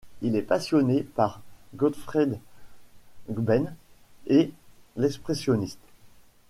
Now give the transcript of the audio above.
Il est passionné par Gottfried Benn et l'expressionnisme.